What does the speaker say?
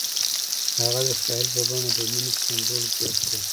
هغه د ساحل په بڼه د مینې سمبول جوړ کړ.